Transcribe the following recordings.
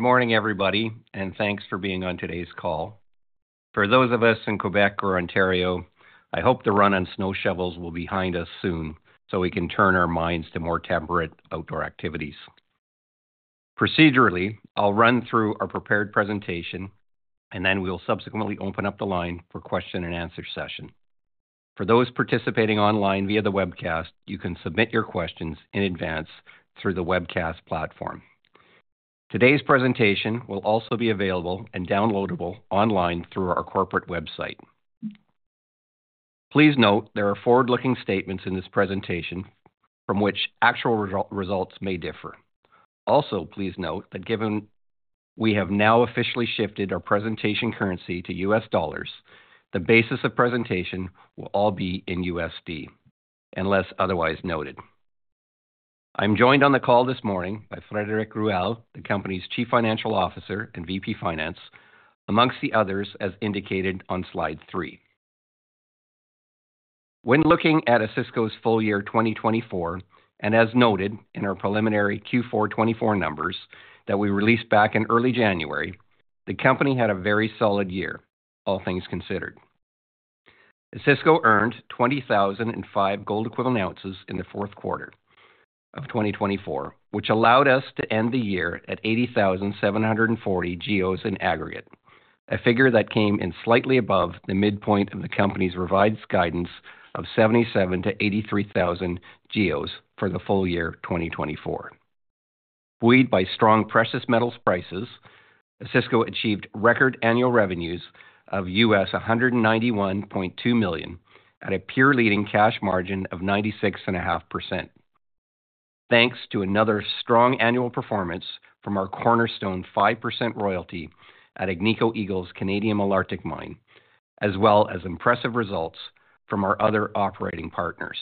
Good morning, everybody, and thanks for being on today's call. For those of us in Quebec or Ontario, I hope the run on snow shovels will be behind us soon so we can turn our minds to more temperate outdoor activities. Procedurally, I'll run through our prepared presentation, and then we'll subsequently open up the line for question-and-answer session. For those participating online via the webcast, you can submit your questions in advance through the webcast platform. Today's presentation will also be available and downloadable online through our corporate website. Please note there are forward-looking statements in this presentation from which actual results may differ. Also, please note that given we have now officially shifted our presentation currency to U.S. dollars, the basis of presentation will all be in USD, unless otherwise noted. I'm joined on the call this morning by Frédéric Ruel, the company's Chief Financial Officer and VP Finance, among the others as indicated on slide three. When looking at Osisko's full year 2024, and as noted in our preliminary Q424 numbers that we released back in early January, the company had a very solid year, all things considered. Osisko earned 20,005 gold-equivalent ounces in the fourth quarter of 2024, which allowed us to end the year at 80,740 GEOs in aggregate, a figure that came in slightly above the midpoint of the company's revised guidance of 77,000 to 83,000 GEOs for the full year 2024. Buoyed by strong precious metals prices, Osisko achieved record annual revenues of $191.2 million at a peer-leading cash margin of 96.5%, thanks to another strong annual performance from our cornerstone 5% royalty at Agnico Eagle's Canadian Malartic Mine, as well as impressive results from our other operating partners.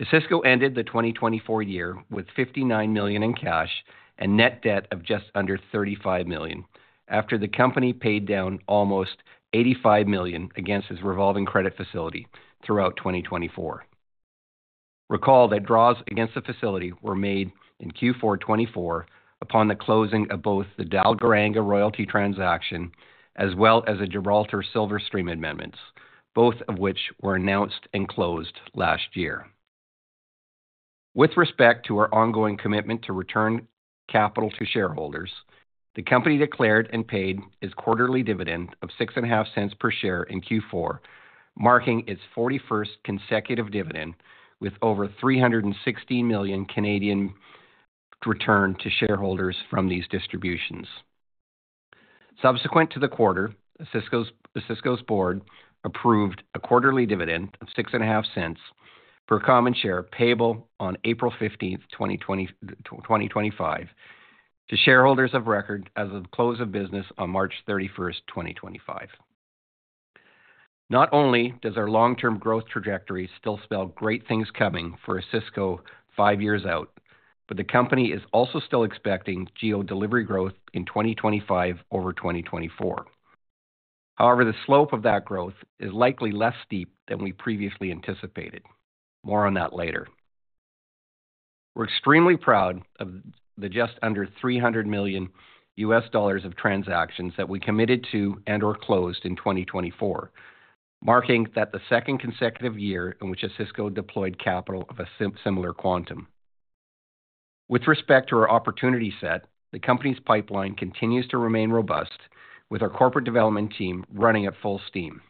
Osisko ended the 2024 year with $59 million in cash and net debt of just under $35 million after the company paid down almost $85 million against its revolving credit facility throughout 2024. Recall that draws against the facility were made in Q424 upon the closing of both the Dalgaranga Royalty Transaction as well as the Gibraltar Silver Stream Amendments, both of which were announced and closed last year. With respect to our ongoing commitment to return capital to shareholders, the company declared and paid its quarterly dividend of 0.065 per share in Q4, marking its 41st consecutive dividend with over 360 million return to shareholders from these distributions. Subsequent to the quarter, Osisko's board approved a quarterly dividend of 0.065 per common share payable on April 15, 2025, to shareholders of record as of close of business on March 31, 2025. Not only does our long-term growth trajectory still spell great things coming for Osisko five years out, but the company is also still expecting GEO delivery growth in 2025 over 2024. However, the slope of that growth is likely less steep than we previously anticipated. More on that later. We're extremely proud of the just under $300 million of transactions that we committed to and/or closed in 2024, marking that the second consecutive year in which Osisko deployed capital of a similar quantum. With respect to our opportunity set, the company's pipeline continues to remain robust, with our corporate development team running at full steam,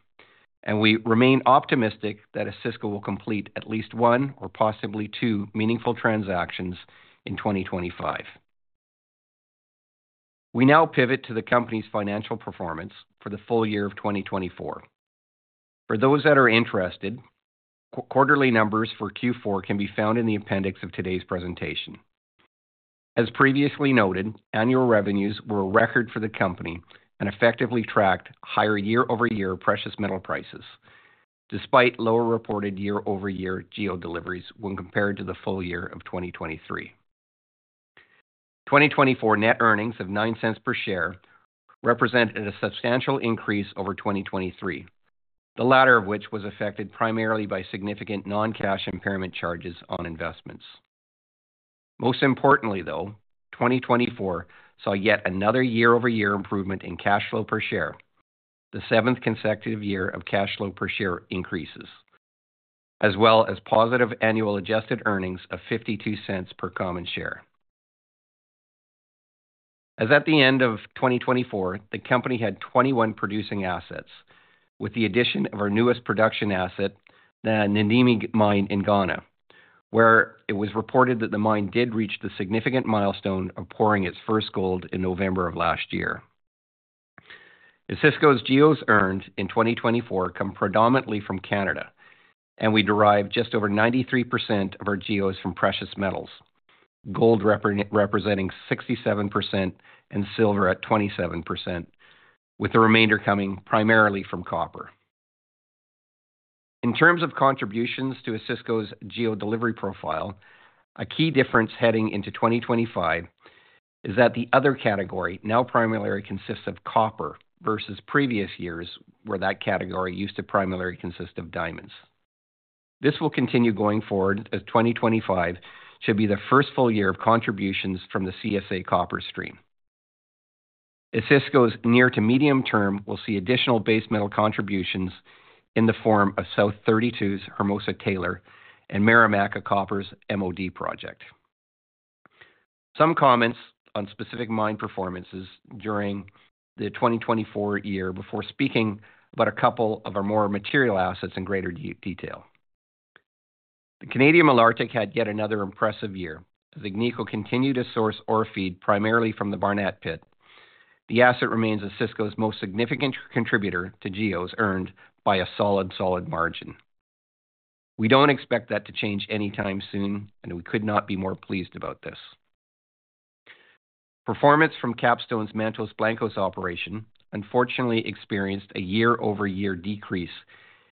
and we remain optimistic that Osisko will complete at least one or possibly two meaningful transactions in 2025. We now pivot to the company's financial performance for the full year of 2024. For those that are interested, quarterly numbers for Q4 can be found in the appendix of today's presentation. As previously noted, annual revenues were record for the company and effectively tracked higher year-over-year precious metal prices, despite lower reported year-over-year GEO deliveries when compared to the full year of 2023. 2024 net earnings of $0.09 per share represented a substantial increase over 2023, the latter of which was affected primarily by significant non-cash impairment charges on investments. Most importantly, though, 2024 saw yet another year-over-year improvement in cash flow per share, the seventh consecutive year of cash flow per share increases, as well as positive annual adjusted earnings of $0.52 per common share. As at the end of 2024, the company had 21 producing assets, with the addition of our newest production asset, the Namdini Mine in Ghana, where it was reported that the mine did reach the significant milestone of pouring its first gold in November of last year. Osisko's geos earned in 2024 come predominantly from Canada, and we derive just over 93% of our geos from precious metals, gold representing 67% and silver at 27%, with the remainder coming primarily from copper. In terms of contributions to Osisko's GEO delivery profile, a key difference heading into 2025 is that the other category now primarily consists of copper versus previous years where that category used to primarily consist of diamonds. This will continue going forward as 2025 should be the first full year of contributions from the CSA copper stream. Osisko's near- to medium-term will see additional base metal contributions in the form of South32's Hermosa Taylor and Marimaca Copper's MOD project. Some comments on specific mine performances during the 2024 year before speaking about a couple of our more material assets in greater detail. The Canadian Malartic had yet another impressive year. The Agnico continued to source ore feed primarily from the Barnat Pit. The asset remains Osisko's most significant contributor to GEOs earned by a solid, solid margin. We don't expect that to change anytime soon, and we could not be more pleased about this. Performance from Capstone's Mantos Blancos operation unfortunately experienced a year-over-year decrease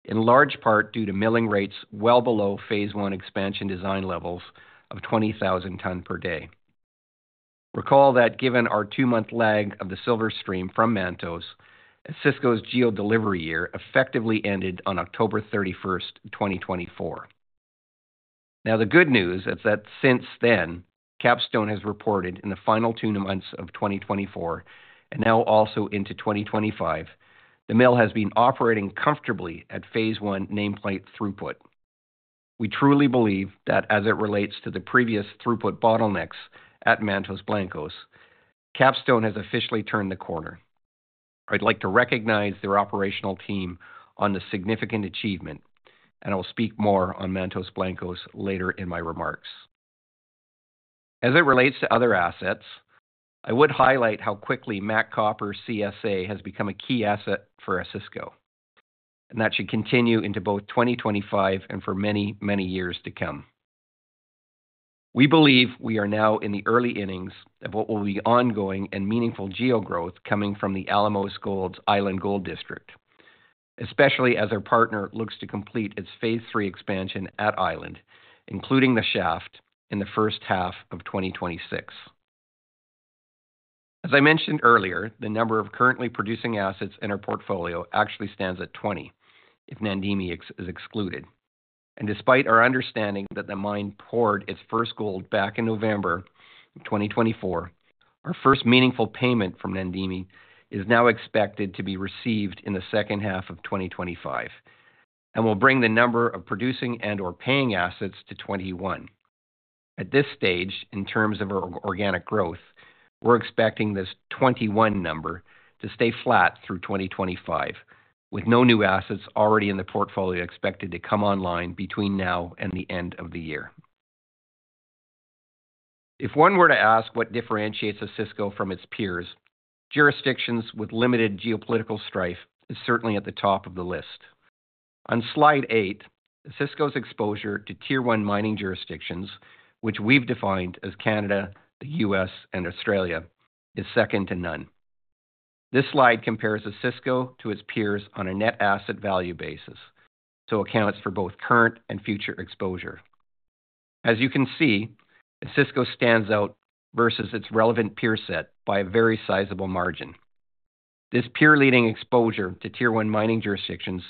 in large part due to milling rates well below phase one expansion design levels of 20,000 tonnes per day. Recall that given our two-month lag of the Silver Stream from Mantos Blancos, Osisko's GEO delivery year effectively ended on October 31, 2024. Now, the good news is that since then, Capstone has reported in the final two months of 2024 and now also into 2025, the mill has been operating comfortably at phase one nameplate throughput. We truly believe that as it relates to the previous throughput bottlenecks at Mantos Blancos, Capstone has officially turned the corner. I'd like to recognize their operational team on the significant achievement, and I'll speak more on Mantos Blancos later in my remarks. As it relates to other assets, I would highlight how quickly MAC Copper's CSA has become a key asset for Osisko, and that should continue into both 2025 and for many, many years to come. We believe we are now in the early innings of what will be ongoing and meaningful GEO growth coming from the Alamos Gold's Island Gold District, especially as our partner looks to complete its phase three expansion at Island, including the shaft in the first half of 2026. As I mentioned earlier, the number of currently producing assets in our portfolio actually stands at 20, if Namdini is excluded. And despite our understanding that the mine poured its first gold back in November 2024, our first meaningful payment from Namdini is now expected to be received in the second half of 2025 and will bring the number of producing and/or paying assets to 21. At this stage, in terms of our organic growth, we're expecting this 21 number to stay flat through 2025, with no new assets already in the portfolio expected to come online between now and the end of the year. If one were to ask what differentiates Osisko from its peers, jurisdictions with limited geopolitical strife is certainly at the top of the list. On slide eight, Osisko's exposure to Tier 1 mining jurisdictions, which we've defined as Canada, the U.S., and Australia, is second to none. This slide compares Osisko to its peers on a net asset value basis, so accounts for both current and future exposure. As you can see, Osisko stands out versus its relevant peer set by a very sizable margin. This peer-leading exposure to Tier 1 mining jurisdictions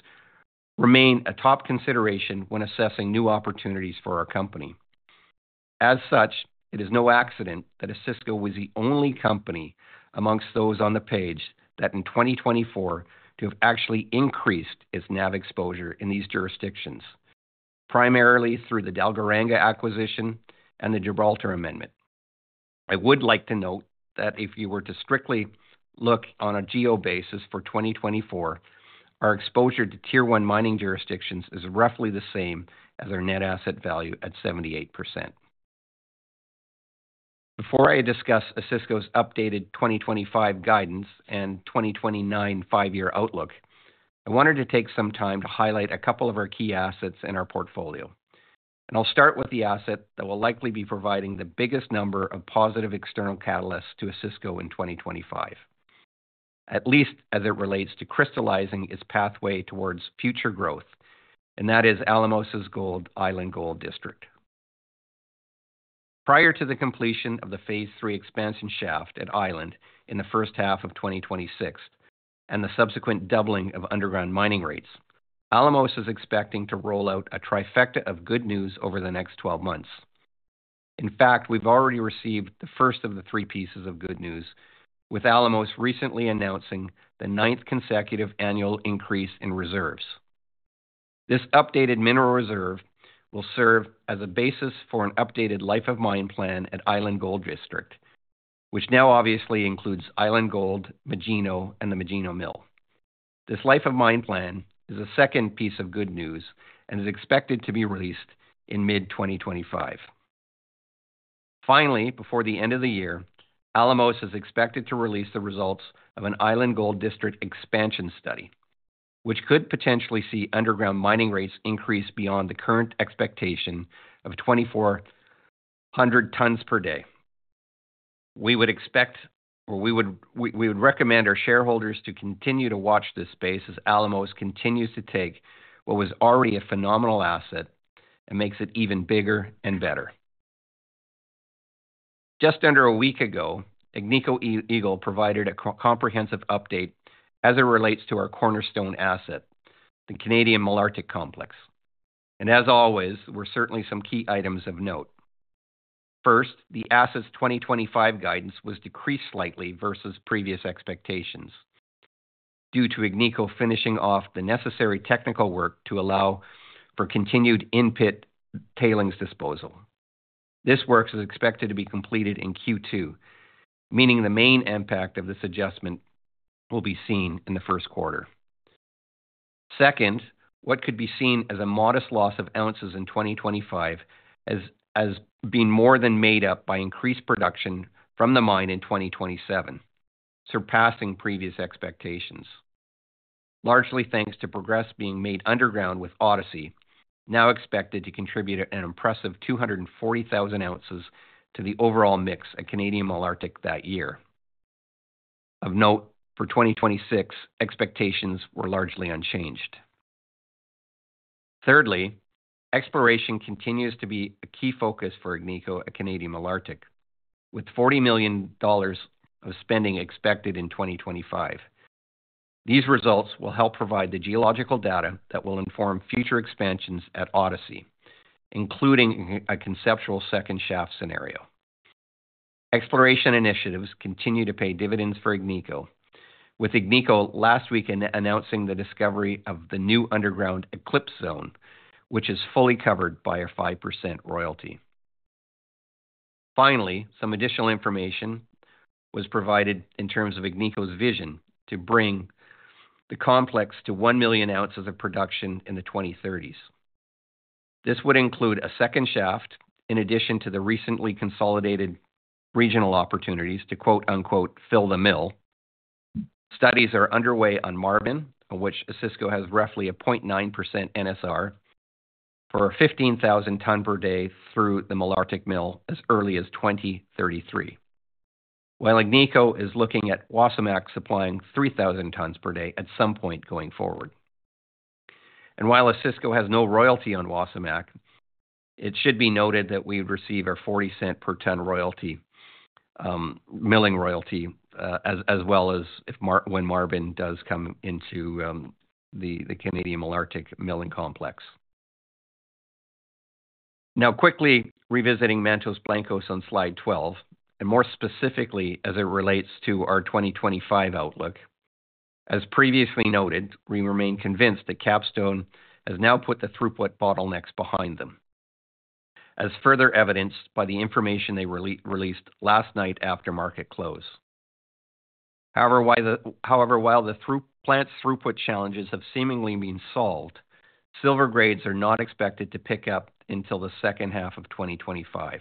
remains a top consideration when assessing new opportunities for our company. As such, it is no accident that Osisko was the only company amongst those on the page that in 2024 to have actually increased its NAV exposure in these jurisdictions, primarily through the Dalgaranga acquisition and the Gibraltar amendment. I would like to note that if you were to strictly look on a GEO basis for 2024, our exposure to tier one mining jurisdictions is roughly the same as our net asset value at 78%. Before I discuss Osisko's updated 2025 guidance and 2029 five-year outlook, I wanted to take some time to highlight a couple of our key assets in our portfolio. And I'll start with the asset that will likely be providing the biggest number of positive external catalysts to Osisko in 2025, at least as it relates to crystallizing its pathway towards future growth, and that is Alamos Gold's Island Gold District. Prior to the completion of the phase three expansion shaft at Island in the first half of 2026 and the subsequent doubling of underground mining rates, Alamos is expecting to roll out a trifecta of good news over the next 12 months. In fact, we've already received the first of the three pieces of good news, with Alamos recently announcing the ninth consecutive annual increase in reserves. This updated mineral reserve will serve as a basis for an updated life of mine plan at Island Gold District, which now obviously includes Island Gold, Magino, and the Magino Mill. This life of mine plan is a second piece of good news and is expected to be released in mid-2025. Finally, before the end of the year, Alamos is expected to release the results of an Island Gold District expansion study, which could potentially see underground mining rates increase beyond the current expectation of 2,400 tonnes per day. We would expect, or we would recommend our shareholders to continue to watch this space as Alamos continues to take what was already a phenomenal asset and makes it even bigger and better. Just under a week ago, Agnico Eagle provided a comprehensive update as it relates to our cornerstone asset, the Canadian Malartic Complex, and as always, there were certainly some key items of note. First, the asset's 2025 guidance was decreased slightly versus previous expectations due to Agnico finishing off the necessary technical work to allow for continued in-pit tailings disposal. This work is expected to be completed in Q2, meaning the main impact of this adjustment will be seen in the first quarter. Second, what could be seen as a modest loss of ounces in 2025 has been more than made up by increased production from the mine in 2027, surpassing previous expectations, largely thanks to progress being made underground with Odyssey, now expected to contribute an impressive 240,000 ounces to the overall mix at Canadian Malartic that year. Of note, for 2026, expectations were largely unchanged. Thirdly, exploration continues to be a key focus for Agnico at Canadian Malartic, with $40 million of spending expected in 2025. These results will help provide the geological data that will inform future expansions at Odyssey, including a conceptual second shaft scenario. Exploration initiatives continue to pay dividends for Agnico, with Agnico last week announcing the discovery of the new underground Eclipse Zone, which is fully covered by a 5% royalty. Finally, some additional information was provided in terms of Agnico's vision to bring the complex to 1 million ounces of production in the 2030s. This would include a second shaft in addition to the recently consolidated regional opportunities to "fill the mill." Studies are underway on Marban, which Osisko has roughly a 0.9% NSR for 15,000 tonnes per day through the Canadian Malartic mill as early as 2033, while Agnico is looking at Wasamac supplying 3,000 tonnes per day at some point going forward, and while Osisko has no royalty on Wasamac, it should be noted that we would receive a 0.40 per tonne royalty, milling royalty, as well as when Marban does come into the Canadian Malartic milling complex. Now, quickly revisiting Mantos Blancos on slide 12, and more specifically as it relates to our 2025 outlook, as previously noted, we remain convinced that Capstone has now put the throughput bottlenecks behind them, as further evidenced by the information they released last night after market close. However, while the plant's throughput challenges have seemingly been solved, silver grades are not expected to pick up until the second half of 2025.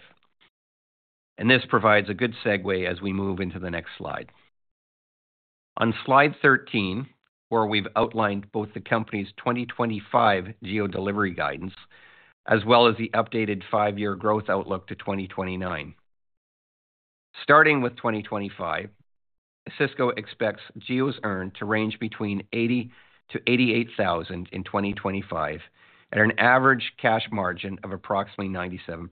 This provides a good segue as we move into the next slide. On slide 13, where we've outlined both the company's 2025 GEO delivery guidance as well as the updated five-year growth outlook to 2029. Starting with 2025, Osisko expects GEOs earned to range between 80,000-88,000 in 2025 at an average cash margin of approximately 97%.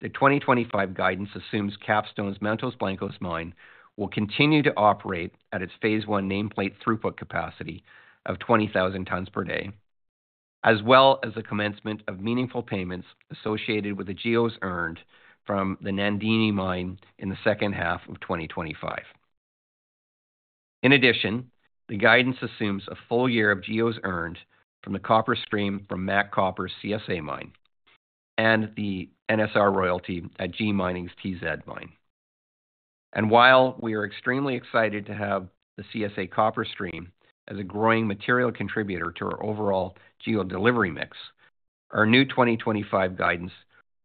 The 2025 guidance assumes Capstone's Mantos Blancos mine will continue to operate at its phase one nameplate throughput capacity of 20,000 tonnes per day, as well as the commencement of meaningful payments associated with the geos earned from the Namdini mine in the second half of 2025. In addition, the guidance assumes a full year of geos earned from the copper stream from MAC Copper's CSA mine and the NSR royalty at G Mining's TZ mine. And while we are extremely excited to have the CSA copper stream as a growing material contributor to our overall geo delivery mix, our new 2025 guidance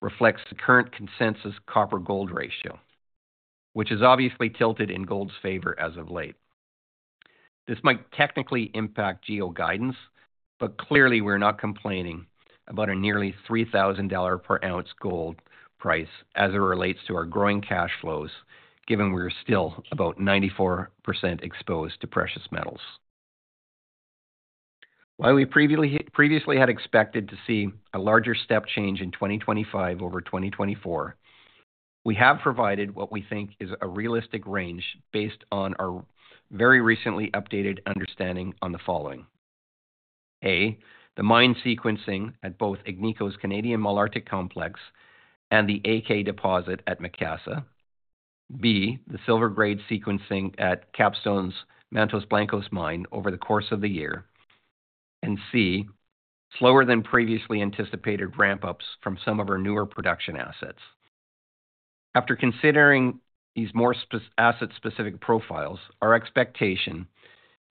reflects the current consensus copper-gold ratio, which is obviously tilted in gold's favor as of late. This might technically impact GEO guidance, but clearly we're not complaining about a nearly $3,000 per ounce gold price as it relates to our growing cash flows, given we're still about 94% exposed to precious metals. While we previously had expected to see a larger step change in 2025 over 2024, we have provided what we think is a realistic range based on our very recently updated understanding on the following: A, the mine sequencing at both Agnico's Canadian Malartic Complex and the AK deposit at Macassa, B, the silver grade sequencing at Capstone's Mantos Blancos mine over the course of the year, and C, slower than previously anticipated ramp-ups from some of our newer production assets. After considering these more asset-specific profiles, our expectation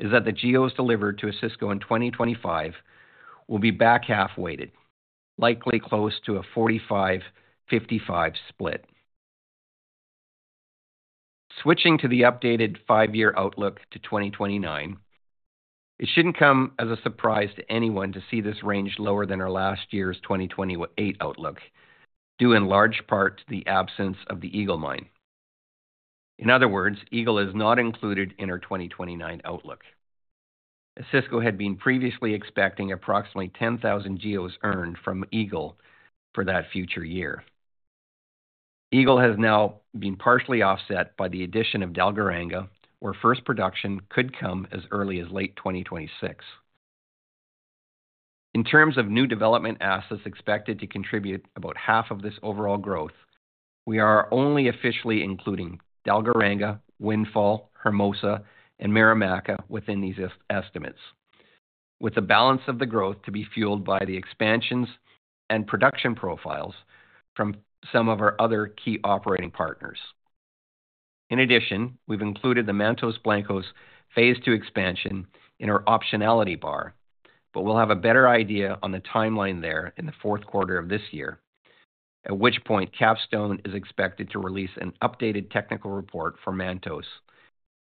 is that the geos delivered to Osisko in 2025 will be back half-weighted, likely close to a 45-55 split. Switching to the updated five-year outlook to 2029, it shouldn't come as a surprise to anyone to see this range lower than our last year's 2028 outlook, due in large part to the absence of the Eagle mine. In other words, Eagle is not included in our 2029 outlook, as Osisko had been previously expecting approximately 10,000 geos earned from Eagle for that future year. Eagle has now been partially offset by the addition of Dalgaranga, where first production could come as early as late 2026. In terms of new development assets expected to contribute about half of this overall growth, we are only officially including Dalgaranga, Windfall, Hermosa, and Marimaca within these estimates, with the balance of the growth to be fueled by the expansions and production profiles from some of our other key operating partners. In addition, we've included the Mantos Blancos phase two expansion in our optionality bar, but we'll have a better idea on the timeline there in the fourth quarter of this year, at which point Capstone is expected to release an updated technical report for Mantos,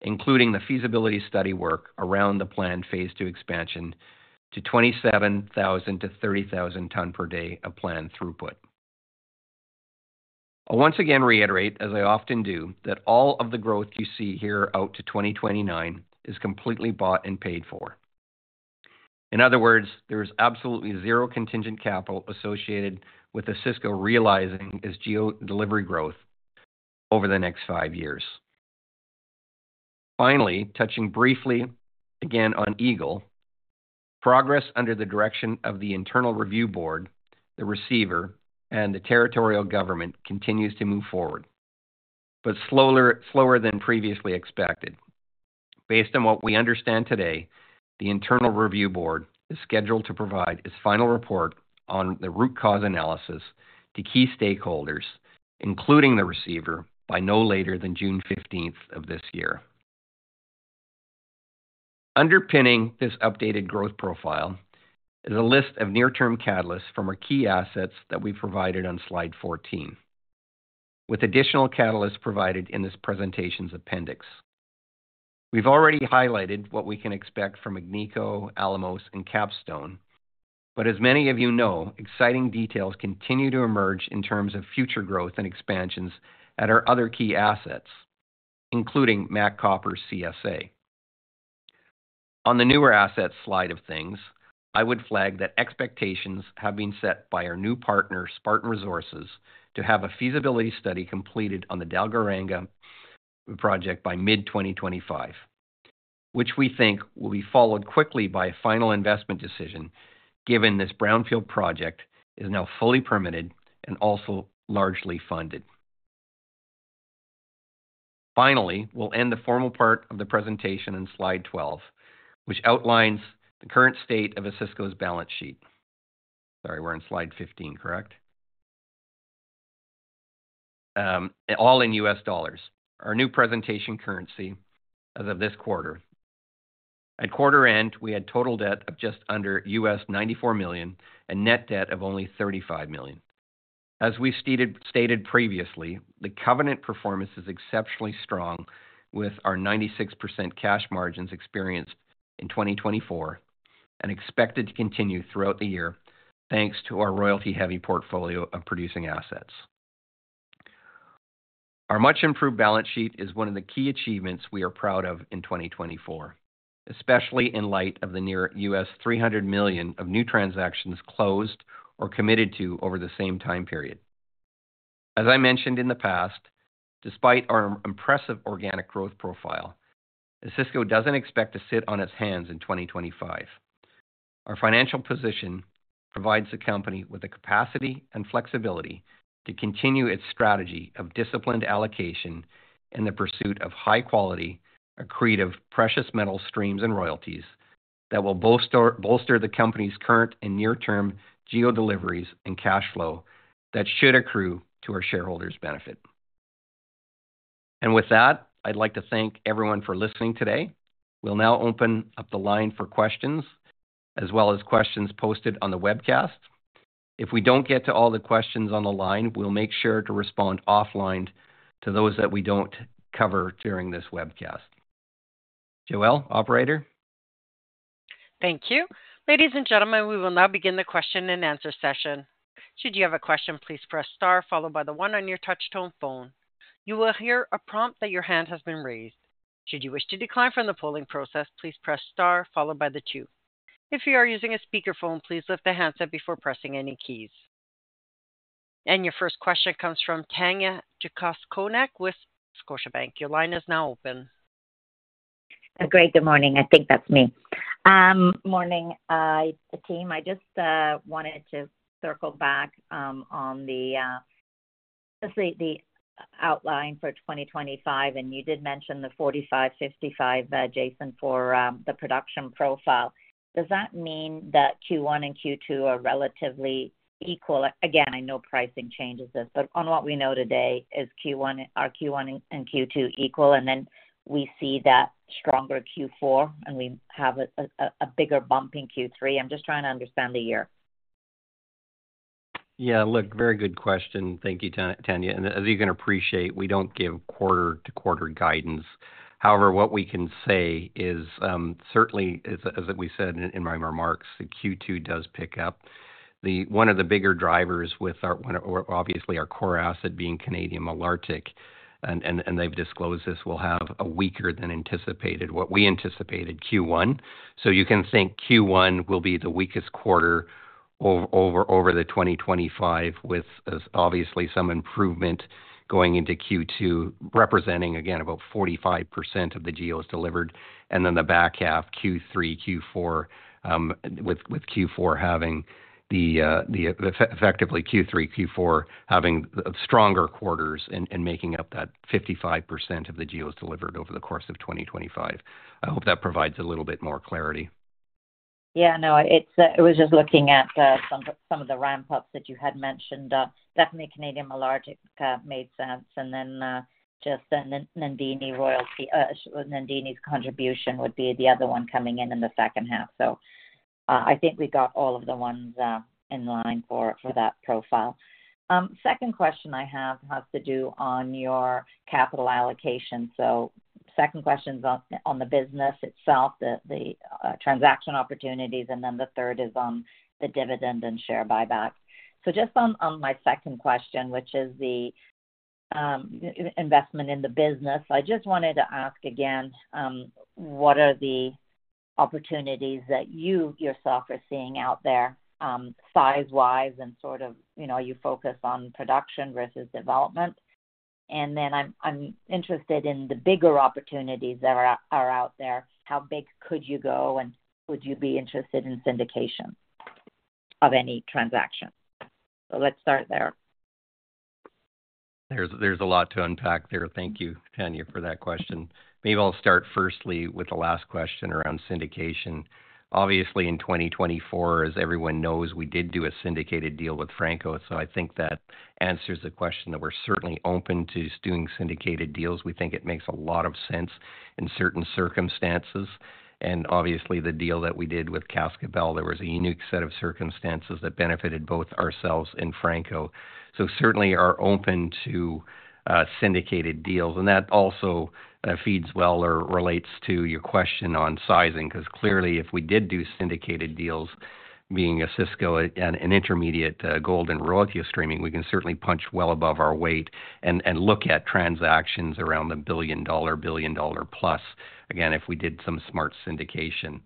including the feasibility study work around the planned phase two expansion to 27,000-30,000 tonnes per day of planned throughput. I'll once again reiterate, as I often do, that all of the growth you see here out to 2029 is completely bought and paid for. In other words, there is absolutely zero contingent capital associated with Osisko realizing its GEO delivery growth over the next five years. Finally, touching briefly again on Eagle, progress under the direction of the Internal Review Board, the receiver, and the territorial government continues to move forward, but slower than previously expected. Based on what we understand today, the Internal Review Board is scheduled to provide its final report on the root cause analysis to key stakeholders, including the receiver, by no later than June 15th of this year. Underpinning this updated growth profile is a list of near-term catalysts from our key assets that we've provided on slide 14, with additional catalysts provided in this presentation's appendix. We've already highlighted what we can expect from Agnico, Alamos, and Capstone, but as many of you know, exciting details continue to emerge in terms of future growth and expansions at our other key assets, including MAC Copper CSA. On the newer asset slide of things, I would flag that expectations have been set by our new partner, Spartan Resources, to have a feasibility study completed on the Dalgaranga project by mid-2025, which we think will be followed quickly by a final investment decision, given this brownfield project is now fully permitted and also largely funded. Finally, we'll end the formal part of the presentation on slide 12, which outlines the current state of Osisko's balance sheet. Sorry, we're on slide 15, correct? All in USD, our new presentation currency as of this quarter. At quarter end, we had total debt of just under $94 million and net debt of only $35 million. As we stated previously, the covenant performance is exceptionally strong, with our 96% cash margins experienced in 2024 and expected to continue throughout the year thanks to our royalty-heavy portfolio of producing assets. Our much-improved balance sheet is one of the key achievements we are proud of in 2024, especially in light of the near $300 million of new transactions closed or committed to over the same time period. As I mentioned in the past, despite our impressive organic growth profile, Osisko doesn't expect to sit on its hands in 2025. Our financial position provides the company with the capacity and flexibility to continue its strategy of disciplined allocation in the pursuit of high-quality, accretive precious metal streams and royalties that will bolster the company's current and near-term GEO deliveries and cash flow that should accrue to our shareholders' benefit. And with that, I'd like to thank everyone for listening today. We'll now open up the line for questions, as well as questions posted on the webcast. If we don't get to all the questions on the line, we'll make sure to respond offline to those that we don't cover during this webcast. Joelle, operator. Thank you. Ladies and gentlemen, we will now begin the question and answer session. Should you have a question, please press star followed by the one on your touch-tone phone. You will hear a prompt that your hand has been raised. Should you wish to decline from the polling process, please press star followed by the two. If you are using a speakerphone, please pick up the handset before pressing any keys. Your first question comes from Tanya Jakusconek with Scotiabank. Your line is now open. Great. Good morning. I think that's me. Good morning, team. I just wanted to circle back on the outlook for 2025, and you did mention the 45-55, Jason, for the production profile. Does that mean that Q1 and Q2 are relatively equal? Again, I know pricing changes this, but on what we know today, are Q1 and Q2 equal? And then we see that stronger Q4, and we have a bigger bump in Q3. I'm just trying to understand the year. Yeah. Look, very good question. Thank you, Tanya. And as you can appreciate, we don't give quarter-to-quarter guidance. However, what we can say is certainly, as we said in my remarks, Q2 does pick up. One of the bigger drivers with, obviously, our core asset being Canadian Malartic, and they've disclosed this, we'll have a weaker-than-anticipated, what we anticipated, Q1. So you can think Q1 will be the weakest quarter over the 2025, with obviously some improvement going into Q2, representing, again, about 45% of the geos delivered. And then the back half, Q3, Q4, with Q4 having effectively stronger quarters and making up that 55% of the geos delivered over the course of 2025. I hope that provides a little bit more clarity. Yeah. No, it was just looking at some of the ramp-ups that you had mentioned. Definitely, Canadian Malartic made sense. And then just Namdini's contribution would be the other one coming in in the second half. So I think we got all of the ones in line for that profile. Second question I have has to do on your capital allocation. So second question is on the business itself, the transaction opportunities, and then the third is on the dividend and share buyback. So just on my second question, which is the investment in the business, I just wanted to ask again, what are the opportunities that you yourself are seeing out there size-wise and sort of are you focused on production versus development? And then I'm interested in the bigger opportunities that are out there. How big could you go, and would you be interested in syndication of any transaction? So let's start there. There's a lot to unpack there. Thank you, Tanya, for that question. Maybe I'll start firstly with the last question around syndication. Obviously, in 2024, as everyone knows, we did do a syndicated deal with Franco. So I think that answers the question that we're certainly open to doing syndicated deals. We think it makes a lot of sense in certain circumstances. Obviously, the deal that we did with Cascabel, there was a unique set of circumstances that benefited both ourselves and Franco-Nevada. Certainly, we are open to syndicated deals. That also feeds well or relates to your question on sizing, because clearly, if we did do syndicated deals being an Osisko and an intermediate gold and royalty streaming, we can certainly punch well above our weight and look at transactions around the billion-dollar, billion-dollar-plus, again, if we did some smart syndication.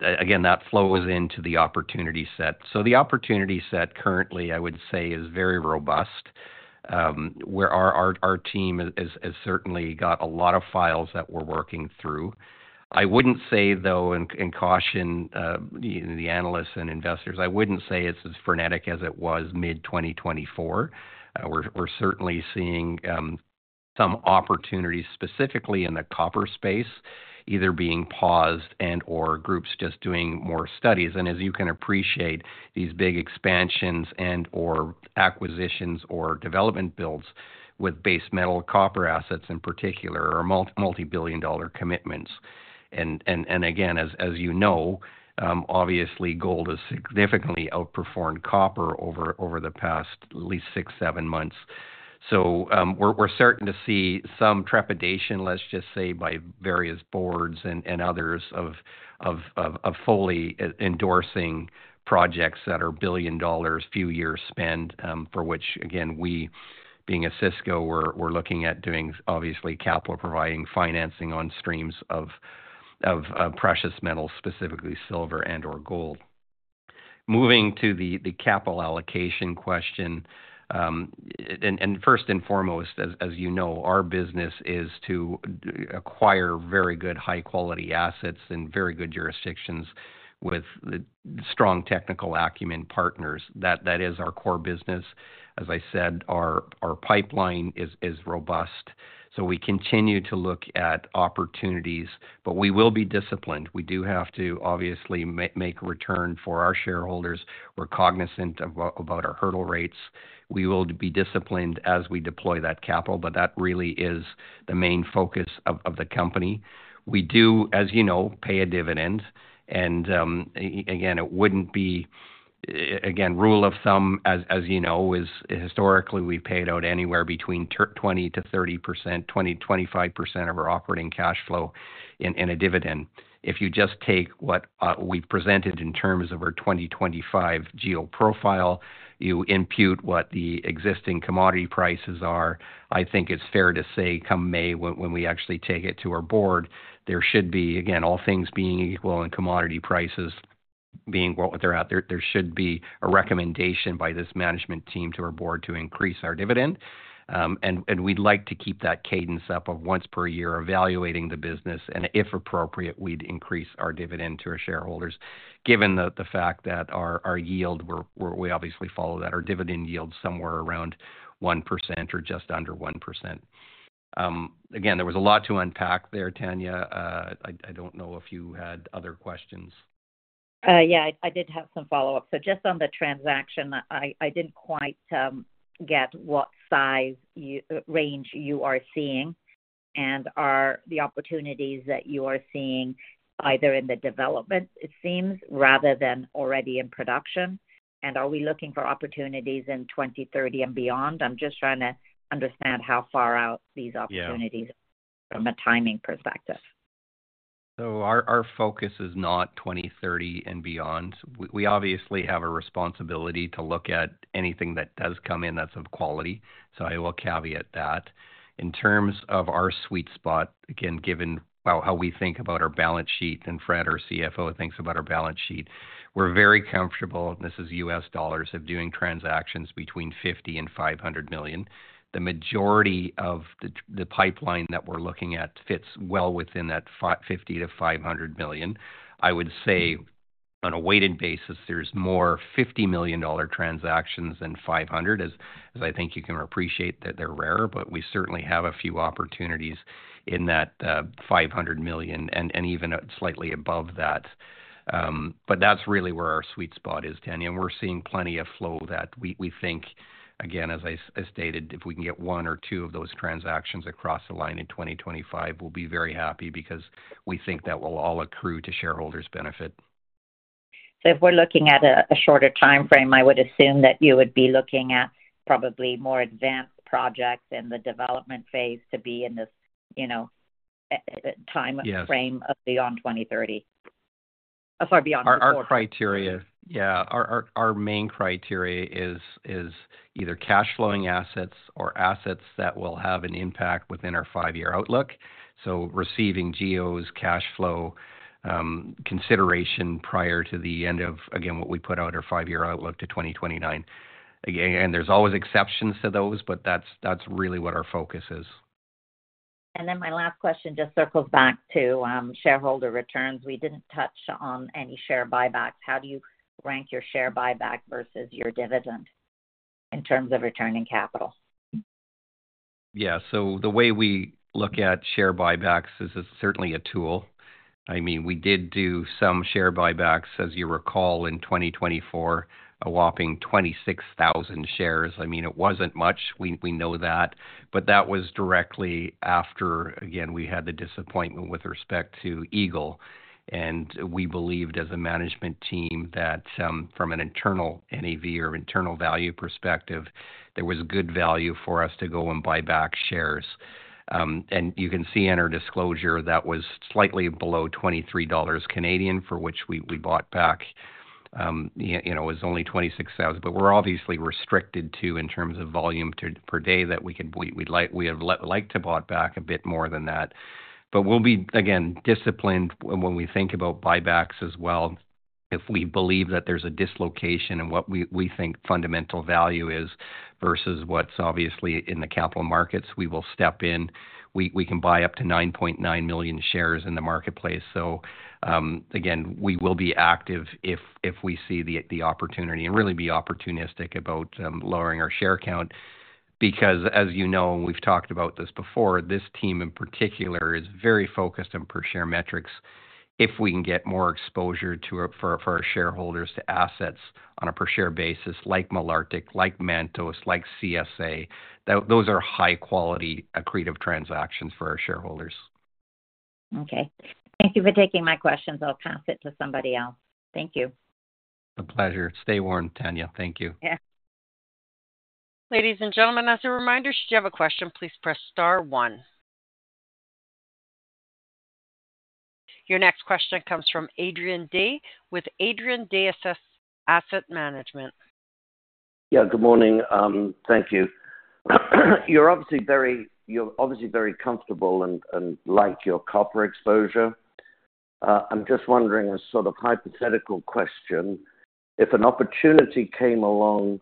Again, that flows into the opportunity set. The opportunity set currently, I would say, is very robust. Our team has certainly got a lot of files that we're working through. I wouldn't say, though, and caution the analysts and investors, I wouldn't say it's as frenetic as it was mid-2024. We're certainly seeing some opportunities specifically in the copper space, either being paused and/or groups just doing more studies. And as you can appreciate, these big expansions and/or acquisitions or development builds with base metal copper assets in particular are multi-billion-dollar commitments. And again, as you know, obviously, gold has significantly outperformed copper over the past at least six, seven months. So we're starting to see some trepidation, let's just say, by various boards and others of fully endorsing projects that are billion-dollar, few-year spend, for which, again, we, being an Osisko, we're looking at doing, obviously, capital providing financing on streams of precious metals, specifically silver and/or gold. Moving to the capital allocation question, and first and foremost, as you know, our business is to acquire very good, high-quality assets in very good jurisdictions with strong technical acumen partners. That is our core business. As I said, our pipeline is robust. So we continue to look at opportunities, but we will be disciplined. We do have to, obviously, make a return for our shareholders. We're cognizant about our hurdle rates. We will be disciplined as we deploy that capital, but that really is the main focus of the company. We do, as you know, pay a dividend. And again, it wouldn't be, again, rule of thumb, as you know, is historically, we've paid out anywhere between 20%-30%, 20%-25% of our operating cash flow in a dividend. If you just take what we've presented in terms of our 2025 GEO profile, you impute what the existing commodity prices are, I think it's fair to say come May, when we actually take it to our board, there should be, again, all things being equal and commodity prices being what they're at, there should be a recommendation by this management team to our board to increase our dividend. We'd like to keep that cadence up of once per year evaluating the business, and if appropriate, we'd increase our dividend to our shareholders, given the fact that our yield, we obviously follow that, our dividend yield's somewhere around 1% or just under 1%. Again, there was a lot to unpack there, Tanya. I don't know if you had other questions. Yeah, I did have some follow-up. Just on the transaction, I didn't quite get what size range you are seeing and the opportunities that you are seeing either in the development? It seems, rather than already in production. And are we looking for opportunities in 2030 and beyond? I'm just trying to understand how far out these opportunities are from a timing perspective? Our focus is not 2030 and beyond. We obviously have a responsibility to look at anything that does come in that's of quality. So I will caveat that. In terms of our sweet spot, again, given how we think about our balance sheet and Frédéric, our CFO, thinks about our balance sheet, we're very comfortable, and this is US dollars, of doing transactions between $50 million and $500 million. The majority of the pipeline that we're looking at fits well within that $50-$500 million. I would say, on a weighted basis, there's more $50 million transactions than $500 million, as I think you can appreciate that they're rare, but we certainly have a few opportunities in that $500 million and even slightly above that. But that's really where our sweet spot is, Tanya. And we're seeing plenty of flow that we think, again, as I stated, if we can get one or two of those transactions across the line in 2025, we'll be very happy because we think that will all accrue to shareholders' benefit. So if we're looking at a shorter time frame, I would assume that you would be looking at probably more advanced projects in the development phase to be in this time frame of beyond 2030. Sorry, beyond 2030. Our criteria, yeah. Our main criteria is either cash-flowing assets or assets that will have an impact within our five-year outlook. So, receiving GEOs, cash flow, consideration prior to the end of, again, what we put out, our five-year outlook to 2029. Again, there's always exceptions to those, but that's really what our focus is. Then my last question just circles back to shareholder returns. We didn't touch on any share buybacks. How do you rank your share buyback versus your dividend in terms of returning capital? Yeah. So the way we look at share buybacks is certainly a tool. I mean, we did do some share buybacks, as you recall, in 2024, a whopping 26,000 shares. I mean, it wasn't much. We know that. But that was directly after, again, we had the disappointment with respect to Eagle. And we believed as a management team that from an internal NAV or internal value perspective, there was good value for us to go and buy back shares. You can see in our disclosure that was slightly below 23 Canadian dollars for which we bought back. It was only 26,000. But we're obviously restricted to, in terms of volume per day, that we would have liked to bought back a bit more than that. But we'll be, again, disciplined when we think about buybacks as well. If we believe that there's a dislocation in what we think fundamental value is versus what's obviously in the capital markets, we will step in. We can buy up to 9.9 million shares in the marketplace. So again, we will be active if we see the opportunity and really be opportunistic about lowering our share count. Because, as you know, and we've talked about this before, this team in particular is very focused on per-share metrics. If we can get more exposure for our shareholders to assets on a per-share basis like Malartic, like Mantos, like CSA, those are high-quality accretive transactions for our shareholders. Okay. Thank you for taking my questions. I'll pass it to somebody else. Thank you. My pleasure. Stay warm, Tanya. Thank you. Yeah. Ladies and gentlemen, as a reminder, should you have a question, please press star one. Your next question comes from Adrian Day with Adrian Day Asset Management. Yeah. Good morning. Thank you. You're obviously very comfortable and like your copper exposure. I'm just wondering, as sort of hypothetical question, if an opportunity came along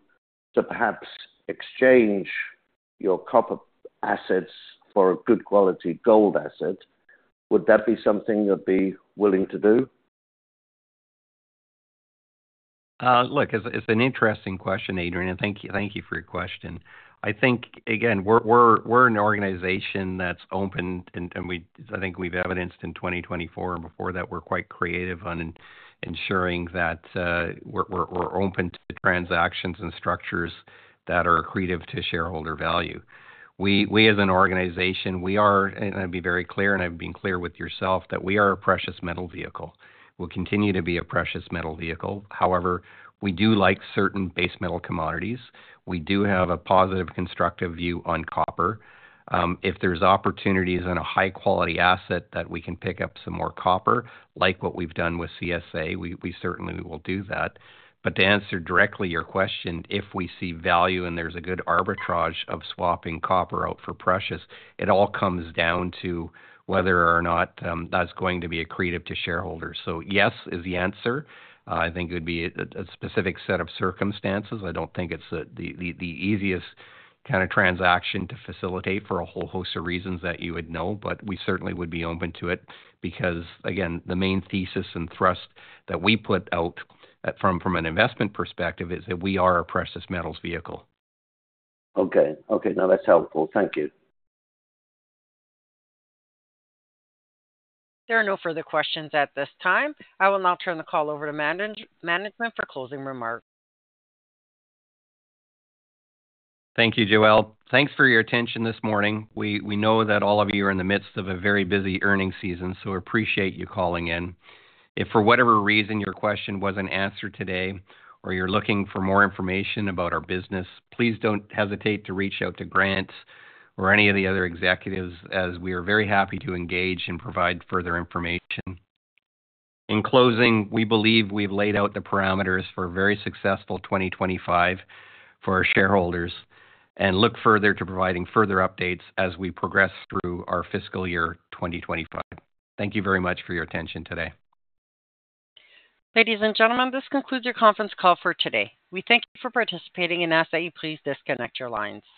to perhaps exchange your copper assets for a good quality gold asset, would that be something you'd be willing to do? Look, it's an interesting question, Adrian. And thank you for your question. I think, again, we're an organization that's open, and I think we've evidenced in 2024 and before that, we're quite creative on ensuring that we're open to transactions and structures that are accretive to shareholder value. We, as an organization, we are, and I'll be very clear, and I've been clear with yourself, that we are a precious metal vehicle. We'll continue to be a precious metal vehicle. However, we do like certain base metal commodities. We do have a positive constructive view on copper. If there's opportunities on a high-quality asset that we can pick up some more copper, like what we've done with CSA, we certainly will do that. But to answer directly your question, if we see value and there's a good arbitrage of swapping copper out for precious, it all comes down to whether or not that's going to be accretive to shareholders. So yes is the answer. I think it would be a specific set of circumstances. I don't think it's the easiest kind of transaction to facilitate for a whole host of reasons that you would know, but we certainly would be open to it because, again, the main thesis and thrust that we put out from an investment perspective is that we are a precious metals vehicle. Okay. Okay. No, that's helpful. Thank you. There are no further questions at this time. I will now turn the call over to management for closing remarks. Thank you, Joelle. Thanks for your attention this morning. We know that all of you are in the midst of a very busy earnings season, so we appreciate you calling in. If for whatever reason your question wasn't answered today or you're looking for more information about our business, please don't hesitate to reach out to Grant or any of the other executives, as we are very happy to engage and provide further information. In closing, we believe we've laid out the parameters for a very successful 2025 for our shareholders and look forward to providing further updates as we progress through our fiscal year 2025. Thank you very much for your attention today. Ladies and gentlemen, this concludes your conference call for today. We thank you for participating and ask that you please disconnect your lines.